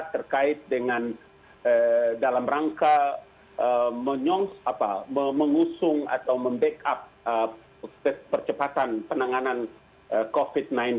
terkait dengan dalam rangka mengusung atau membackup percepatan penanganan covid sembilan belas